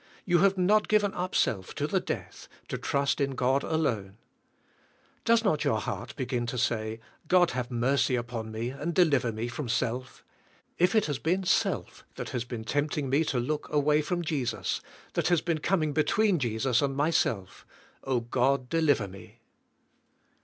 You have not given up self to the death, to trust in God alone. Does not your heart 52 THE) SPIRITUAL, I,IFE. begin to say, ^' God have mercy upon me and deliver me from self. If it has been self that has been tempting" me to look away from Jesus, that has been coming between Jesus and myself, oh God deliver me."